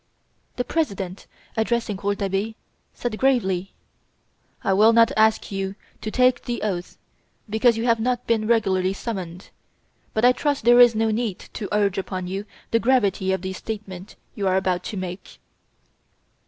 The President, addressing Rouletabille, said gravely: "I will not ask you to take the oath, because you have not been regularly summoned; but I trust there is no need to urge upon you the gravity of the statement you are about to make."